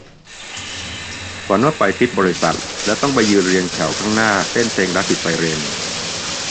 ฝันว่าไปทริปบริษัท แล้วต้องไปยืนเรียงแถวข้างหน้าเต้นเพลงรักติดไซเรน